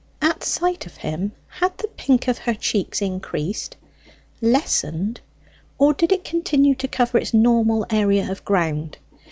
At sight of him had the pink of her cheeks increased, lessened, or did it continue to cover its normal area of ground?